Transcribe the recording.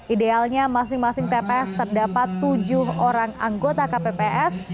idealnya masing masing tps terdapat tujuh orang anggota kpps